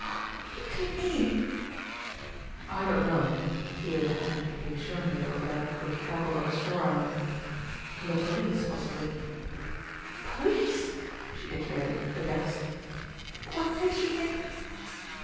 "Oh, what can it mean?" "I don't know." He laid a hand reassuringly over that which trembled on his forearm. "The police, possibly." "Police!" she iterated, aghast. "What makes you think